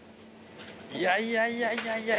いやいやいやいや。